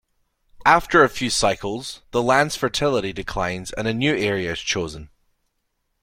After a few cycles, the land's fertility declines and a new area is chosen.